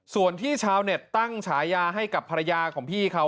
ส่วนที่ชาวเน็ตตั้งฉายาให้กับภรรยาของพี่เขา